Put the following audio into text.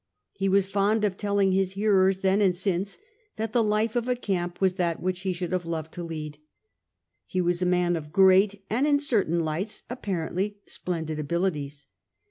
He was fond of telling his hearers then and since that the life of a camp was that which he should have loved to lead. He was a man of great and, in certain lights, apparently splendid abilities.